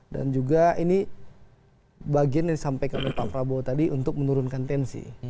dan juga ini bagian yang disampaikan oleh pak prabowo tadi untuk menurunkan tensi